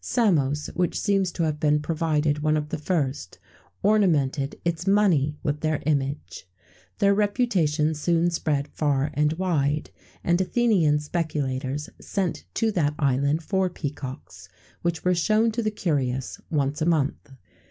Samos, which seems to have been provided one of the first, ornamented its money with their image.[XVII 119] Their reputation soon spread far and wide;[XVII 120] and Athenian speculators sent to that island for peacocks, which were shown to the curious once a month.